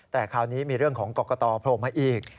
แต่คราวนี้มีเรื่องของกรกตโผล่มาอีก